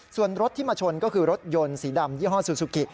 ส่วนรถที่มาชนก็คือรถยนต์สีดำยี่ห้อซูซูกิ